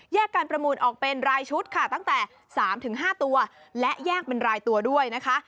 การประมูลออกเป็นรายชุดค่ะตั้งแต่๓๕ตัวและแยกเป็นรายตัวด้วยนะคะ